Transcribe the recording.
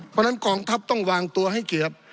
เพราะฉะนั้นกองทัพต้องวางตัวให้เกือบ